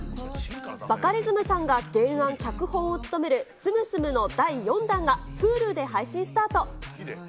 バカリズムさんが原案・脚本を務める住住の第４弾が、Ｈｕｌｕで配信スタート。